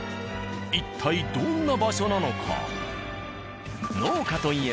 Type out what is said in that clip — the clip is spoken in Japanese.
一体どんな場所なのか？